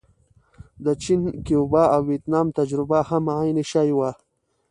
د چین، کیوبا او ویتنام تجربه هم عین شی وه.